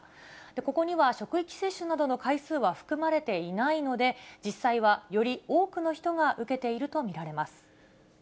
ここには、職域接種などの回数は含まれていないので、実際はより多くの人が受けていると見られます。